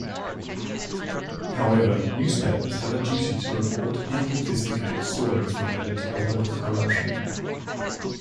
However, newspapers have a duty to report and investigate stories related to political corruption.